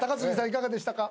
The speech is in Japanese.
いかがでしたか？